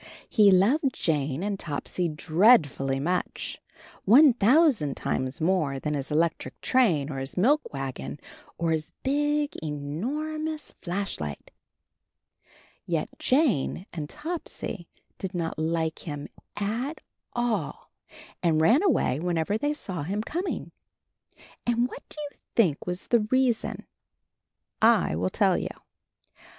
He loved Jane and Topsy dreadfully much — one thousand times more than his electric train or his milk wagon or his big e nor mous flashlight! Yet Jane and Topsy did not like him at all and ran away whenever they saw him com ing. And what do you think was the reason? I will tell you.